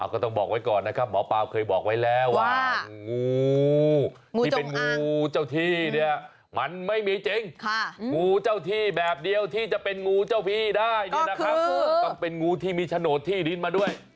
ก็ต้องบอกไว้ก่อนนะครับหมอปลาเคยบอกไว้แล้วว่างูที่เป็นงูเจ้าที่เนี่ยมันไม่มีจริงงูเจ้าที่แบบเดียวที่จะเป็นงูเจ้าพี่ได้เนี่ยนะครับต้องเป็นงูที่มีโฉนดที่ดินมาด้วย